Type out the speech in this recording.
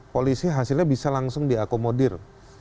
polisi hasilnya bisa langsung diakomodir